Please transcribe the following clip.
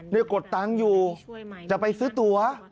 นี่กดตังอยู่จะไปซื้อตัว